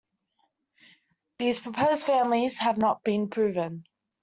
These proposed families have not been proven.